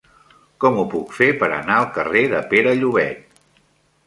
Com ho puc fer per anar al carrer de Pere Llobet?